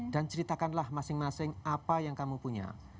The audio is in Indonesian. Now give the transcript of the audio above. dan ceritakanlah masing masing apa yang kamu punya